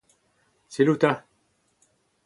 Selaou 'ta !